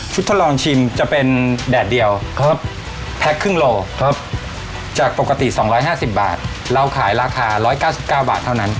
ทดลองชิมจะเป็นแดดเดียวแพ็คครึ่งโลจากปกติ๒๕๐บาทเราขายราคา๑๙๙บาทเท่านั้น